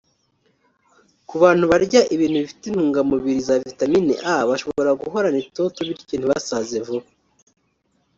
Ku bantu barya ibintu bifite intungamibiri za vitamini A bashobora guhorana itoto bityo ntibasaze vuba